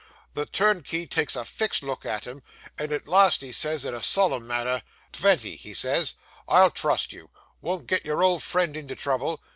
The turnkey takes a fixed look at him, and at last he says in a solemn manner, "Tventy," he says, "I'll trust you; you Won't get your old friend into trouble."